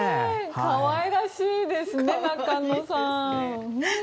可愛らしいですね中野さん。